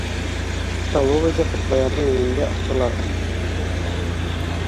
Столовойҙы Ҡотлоярҙың өйөндә астылар.